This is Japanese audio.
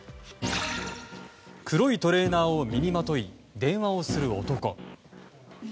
黒いトレーナーを身にまとい、電話をする男。